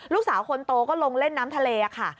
ลูกสาวคนโตก็ลงเล่นน้ำทะเลค่ะ